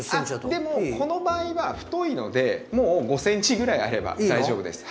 でもこの場合は太いのでもう５ｃｍぐらいあれば大丈夫です。